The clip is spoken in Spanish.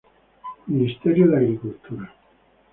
Ministerio de Agricultura.